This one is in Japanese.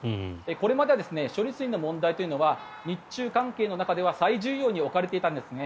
これまでは処理水の問題というのは日中関係の中では最重要に置かれていたんですね。